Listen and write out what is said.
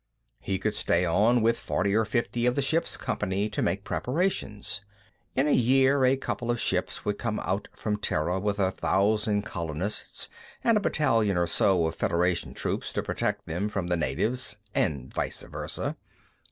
He would stay on with forty or fifty of the ship's company to make preparations. In a year a couple of ships would come out from Terra, with a thousand colonists, and a battalion or so of Federation troops, to protect them from the natives and vice versa.